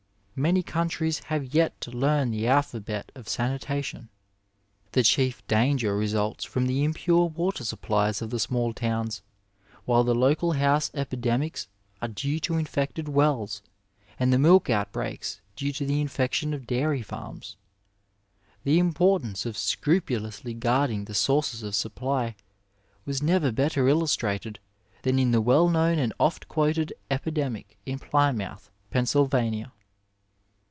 Many countries have yet to learn the alphabet of sanita tion. The chief danger results from the impure water supplies of the smaller towns, while the local house epi demics are due to infected wells, and the milk outbreaks due to the infection of dairy farms. The importance of scrupulously guarding the sources of supply was never better illustrated than in the well known and oft quoted epidemic in Plymouth, Pennsylvania.